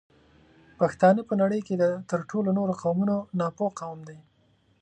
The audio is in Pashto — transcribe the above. پښتانه په نړۍ کې تر ټولو نورو قومونو ناپوه قوم دی